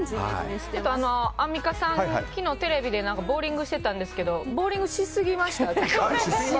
アンミカさん、昨日テレビでボーリングしていたんですけどボーリングしすぎました。